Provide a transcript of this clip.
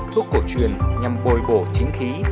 thuốc cổ truyền nhằm bồi bổ chính khí